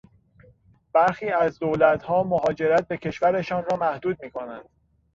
برخی از دولتها مهاجرت به کشورشان را محدود میکنند.